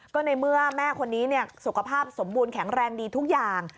ก็ในเมื่อแม่คนนี้สุขภาพสมบูรณแข็งแรงดีทุกอย่าง